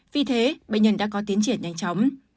vì thế bệnh nhân đã có tiến triển nhanh chóng